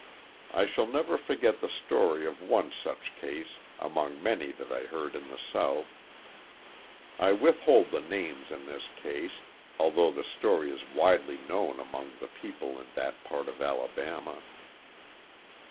I shall never forget the story of one such case among many that I heard in the South. I withhold the names in this case although the story is widely known among the people in that part of Alabama.